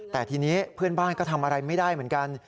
แต่ทีนี้เพื่อนบ้านก็ทำอะไรไม่ได้เหมือนกัน